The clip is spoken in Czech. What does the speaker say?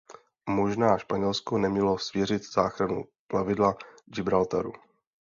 Možná Španělsko nemělo svěřit záchranu plavidla Gibraltaru?